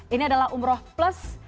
ini adalah umroh plus